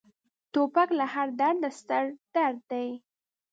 توپک له هر درده ستر درد دی.